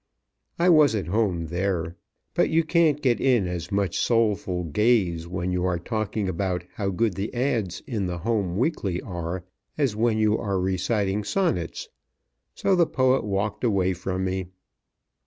I was at home there, but you can't get in as much soulful gaze when you are talking about how good the ads. in the "Home Weekly" are as when you are reciting sonnets; so the poet walked away from me.